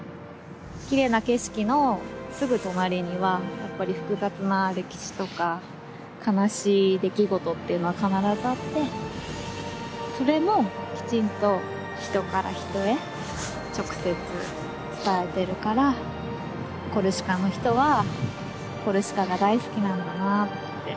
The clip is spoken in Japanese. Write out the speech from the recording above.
きれいな景色のすぐ隣にはやっぱり複雑な歴史とか悲しい出来事っていうのは必ずあってそれもきちんと人から人へ直接伝えてるからコルシカの人はコルシカが大好きなんだなって。